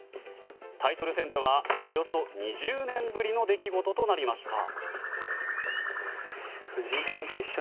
タイトル戦ではおよそ２０年ぶりの出来事となりました。